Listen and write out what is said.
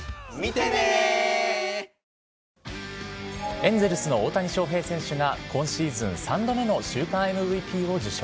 エンゼルスの大谷翔平選手が今シーズン３度目の週間ＭＶＰを受賞。